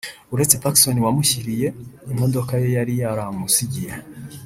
uretse Pacson wamushyiriye imodoka ye yari yaramusigiye